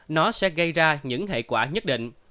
nó sẽ gây ra những hệ quả nhất định